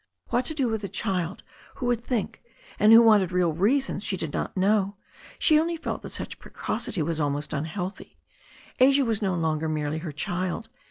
What to do with a child who would think, and who wanted real reasons she did not know. She only felt that such precocity was most unhealthy. Asia was no longer merely her child.